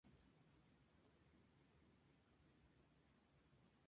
Los antiguos enemigos deben encontrar una manera de sobrevivir juntos.